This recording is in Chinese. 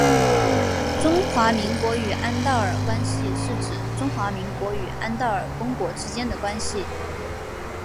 中华民国与安道尔关系是指中华民国与安道尔公国之间的关系。